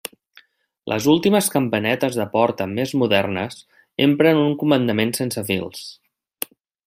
Les últimes campanetes de porta més modernes empren un comandament sense fils.